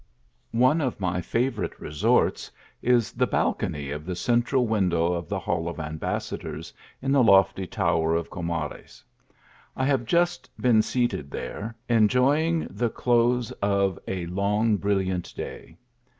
ONE of my favourite resorts is the balcony of the central window of the Hall of Ambassadors, in the lofty tower of Comarcs. I have just been seated there, enjoying the close of a long brilliant day.